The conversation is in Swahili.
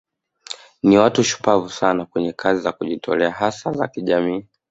Ni watu shupavu sana kwenye kazi za kujitolea hasa za kijamii